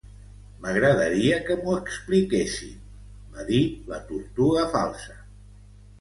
"M'agradaria que m'ho expliquessin", va dir la Tortuga Falsa.